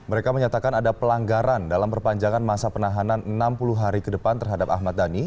mereka menyatakan ada pelanggaran dalam perpanjangan masa penahanan enam puluh hari ke depan terhadap ahmad dhani